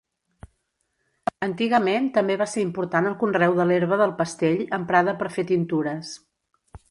Antigament també va ser important el conreu de l'herba del pastell emprada per fer tintures.